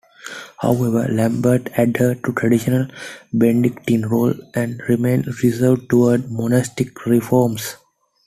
However, Lambert adhered to traditional Benedictine rules and remained reserved towards monastic reforms.